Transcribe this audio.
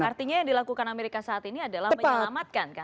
artinya yang dilakukan amerika saat ini adalah menyelamatkan kan